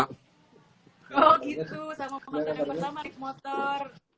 oh gitu sama mantan yang pertama naik motor